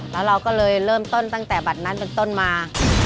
แล้วเราก็เลยเริ่มต้นตั้งแต่บัตรนั้นเป็นต้นมา